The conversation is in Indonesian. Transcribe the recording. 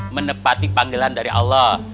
menepati panggilan dari allah